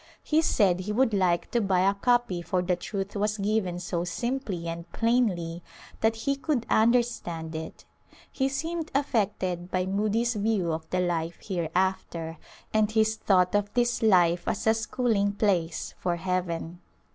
He said he would like to buy a copy for the truth was given so simply and plainly that he could understand it. He seemed affected by Moody's view of the life hereafter and his thought of this life as a schooling place for heaven.